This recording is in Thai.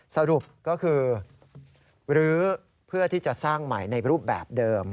สรุปก็คือรื้อเพื่อที่จะสร้างใหม่ในรูปแบบเดิม